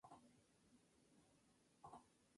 El pueblo es conocido por el cultivo y venta de truchas.